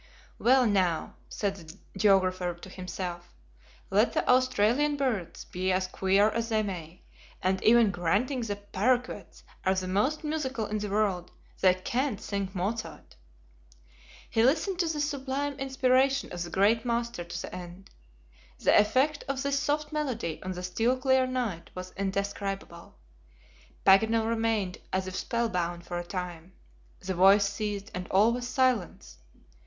"Well, now," said the geographer to himself, "let the Australian birds be as queer as they may, and even granting the paroquets are the most musical in the world, they can't sing Mozart!" He listened to the sublime inspiration of the great master to the end. The effect of this soft melody on the still clear night was indescribable. Paganel remained as if spellbound for a time; the voice ceased and all was silence.